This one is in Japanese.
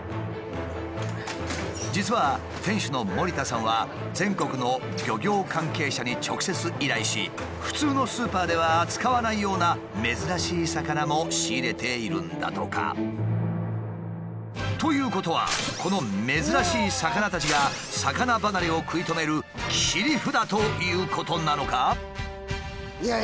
実は店主の森田さんは全国の漁業関係者に直接依頼し普通のスーパーでは扱わないような珍しい魚も仕入れているんだとか。ということはこの珍しい魚たちが魚離れを食い止める切り札ということなのか？